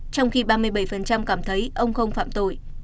trong khi ba mươi bảy cảm thấy ông không phạm tội